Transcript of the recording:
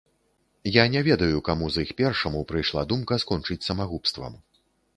Я не ведаю, каму з іх першаму прыйшла думка скончыць самагубствам.